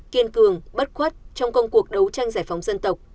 kiên cường bất khuất trong công cuộc đấu tranh giải phóng dân tộc